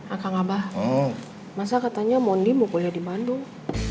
akan abah masa katanya mondi mau kuliah di bandung